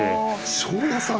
庄屋さん！